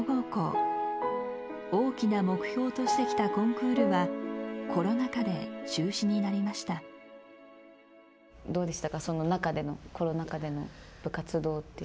大きな目標としてきたコンクールはコロナ禍で中止になりました。